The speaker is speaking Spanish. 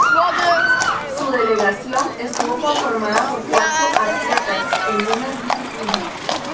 Su delegación estuvo conformada por cuatro atletas en una disciplina.